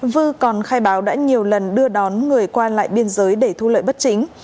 vư còn khai báo đã nhiều lần đưa đón người qua lại biên giới để thu lợi bất chính